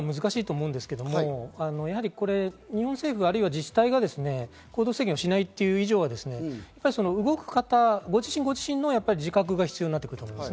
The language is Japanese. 判断は難しいと思いますけれども、日本政府、あるいは自治体が行動制限をしないという以上は動く方ご自身ご自身の自覚が必要です。